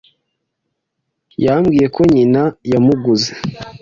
Yambwiye ko nyina yamuguze.